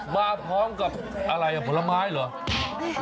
มาพร้อมกับอะไรผลไม้เหรอ